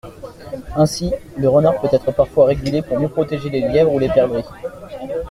Ainsi, le renard peut être parfois régulé pour mieux protéger les lièvres ou les perdrix.